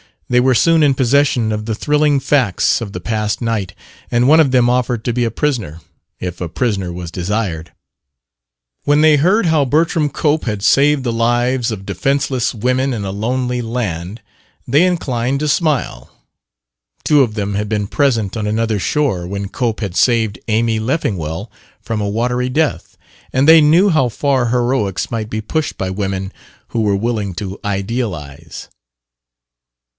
They were soon in possession of the thrilling facts of the past night, and one of them offered to be a prisoner, if a prisoner was desired. When they heard how Bertram Cope had saved the lives of defenseless women in a lonely land, they inclined to smile. Two of them had been present on another shore when Cope had "saved" Amy Leffingwell from a watery death, and they knew how far heroics might be pushed by women who were willing to idealize.